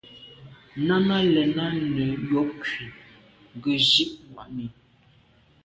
Nana lɛ̂n á nə yǒbkwì gə zí’ mwα̂ʼnì.